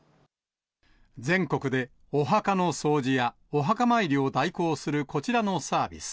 全国でお墓の掃除やお墓参りを代行するこちらのサービス。